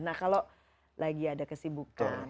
nah kalau lagi ada kesibukan